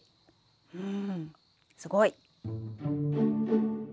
うんすごい！